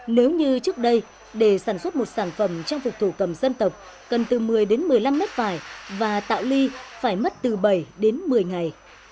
nếu như trước đây để sản xuất một sản phẩm trang phục thổ cầm dân tộc cần từ một mươi đến một mươi năm mét vải và tạo ly phải mất từ bảy đến một mươi ngày